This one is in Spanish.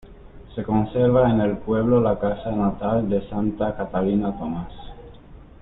Se conserva en el pueblo la casa natal de Santa Catalina Tomás.